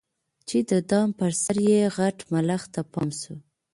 چي د دام پر سر یې غټ ملخ ته پام سو